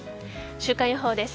週間予報です。